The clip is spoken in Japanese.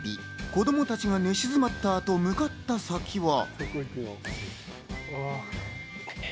子供たちが寝静まった後、向かった先は。